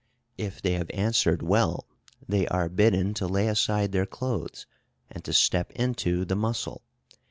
If they have answered well, they are bidden to lay aside their clothes, and to step into the mussel.